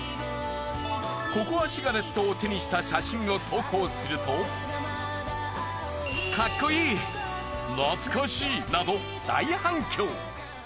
ココアシガレットを手にした写真を投稿すると「かっこいい！」「懐かしい」など大反響。